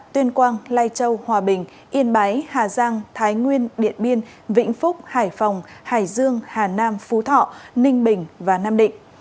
tuyên quang lai châu hòa bình yên bái hà giang thái nguyên điện biên vĩnh phúc hải phòng hải dương hà nam phú thọ ninh bình và nam định